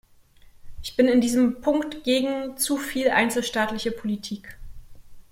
Ich bin in diesem Punkt gegen zu viel einzelstaatliche Politik.